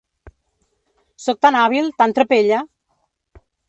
Sóc tan hàbil, tan trapella!